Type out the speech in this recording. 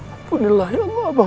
ampunillah ya allah